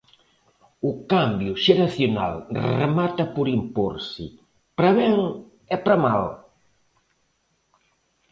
O cambio xeracional remata por imporse, para ben e para mal.